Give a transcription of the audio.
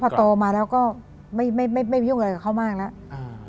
พอโตมาแล้วก็ไม่ไม่ยุ่งอะไรกับเขามากแล้ว